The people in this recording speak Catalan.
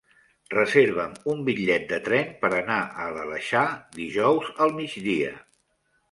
Reserva'm un bitllet de tren per anar a l'Aleixar dijous al migdia.